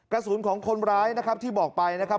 กระสุนของคนร้ายนะครับที่บอกไปนะครับ